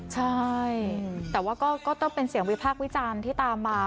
ใช่แต่ว่าก็ต้องเป็นเสียงวิพากษ์วิจารณ์ที่ตามมา